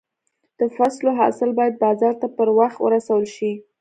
د فصلو حاصل باید بازار ته پر وخت ورسول شي.